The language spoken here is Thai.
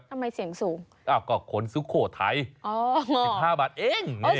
ทำไมเสียงสูงอ้าวก็คนสุโขทัย๑๕บาทเอง